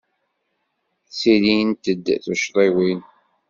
Ttilint-d tuccḍiwin.